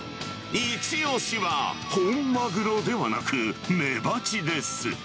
一押しは本マグロではなく、メバチです。